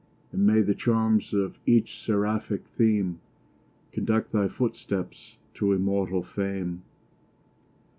And may the charms of each seraphic theme Conduct thy footsteps to immortal fame!